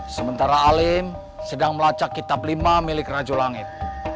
sementara alim sedang melacak kitab lima milik raju langit